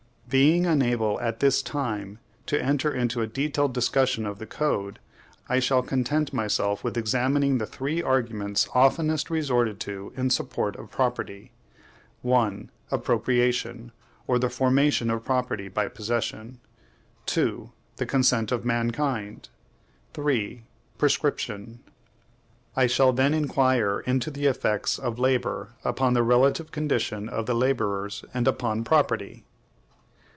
Being unable, at this time, to enter upon a detailed discussion of the Code, I shall content myself with examining the three arguments oftenest resorted to in support of property. 1. APPROPRIATION, or the formation of property by possession; 2. THE CONSENT OF MANKIND; 3. PRESCRIPTION. I shall then inquire into the effects of labor upon the relative condition of the laborers and upon property.